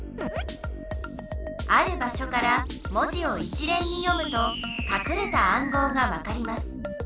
ある場しょから文字を一連に読むとかくれた暗号がわかります。